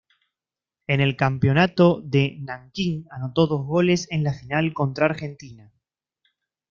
En el campeonato de Nankín anotó dos goles en la final contra Argentina.